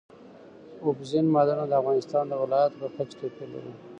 اوبزین معدنونه د افغانستان د ولایاتو په کچه توپیر لري.